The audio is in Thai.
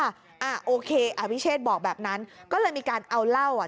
อ่าโอเคอวิเชษบอกแบบนั้นก็เลยมีการเอาเหล้าอ่ะ